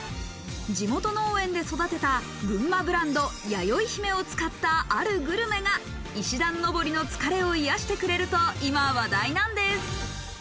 地元農園で育てた群馬ブランドやよいひめを使ったあるグルメが石段上りの疲れを癒してくれると今話題なんです。